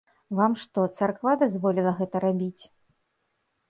Вам што, царква дазволіла гэта рабіць?